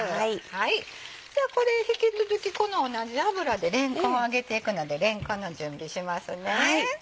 じゃあこれ引き続きこの同じ油でれんこんを揚げていくのでれんこんの準備しますね。